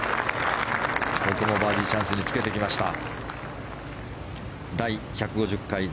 ここもバーディーチャンスにつけてきました。